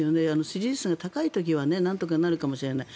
支持率が高い時はなんとかなるかもしれない。